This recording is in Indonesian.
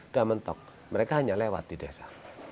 dia mentok mereka hanya lewat di desa